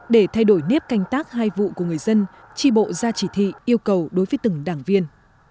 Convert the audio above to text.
để thay đổi nếp canh tác hai vụ của người dân tri bộ ra chỉ thị yêu cầu đối với từng đảng viên